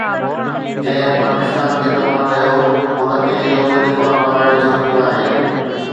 جنهن پاڪستان کي تباهه ڪيو ان کي يوم دفاع ملهائڻ جو حق ناهي